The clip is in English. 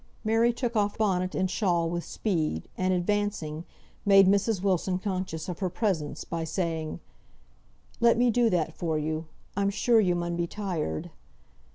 Mary took off bonnet and shawl with speed, and advancing, made Mrs. Wilson conscious of her presence, by saying, "Let me do that for you. I'm sure you mun be tired."